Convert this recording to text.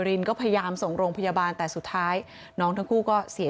รินก็พยายามส่งโรงพยาบาลแต่สุดท้ายน้องทั้งคู่ก็เสีย